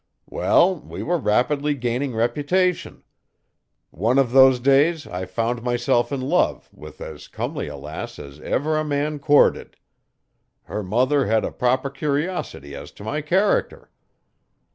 Well, we were rapidly gaining reputation. One of those days I found myself in love with as comely a lass as ever a man courted. Her mother had a proper curiosity as to my character.